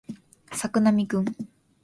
作並くん